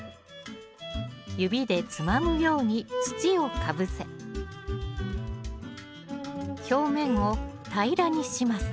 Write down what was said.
指でつまむように土をかぶせ表面を平らにします